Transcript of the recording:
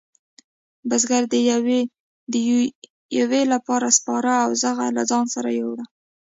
بزگر د یویې لپاره سپاره او زخ له ځانه سره وېوړل.